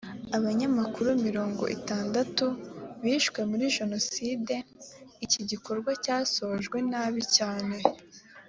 abanyamakuru mirongo itandatu bishwe muri jenoside iki gikorwa cyasojwe nabi cyane